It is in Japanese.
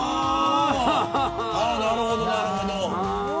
なるほど、なるほど。